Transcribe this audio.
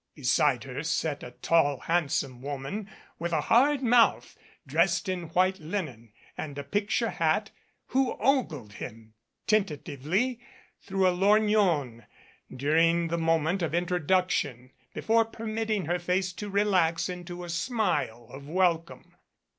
Beside her sat a tall handsome woman with a hard mouth, dressed in white linen and a picture hat, who ogled him tentatively through a lorgnon during the mo ment of introduction before permitting her face to relax into a smile of welcome.